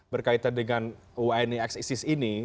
berkaitan dengan unixis ini